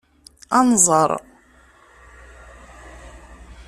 Ad nẓer.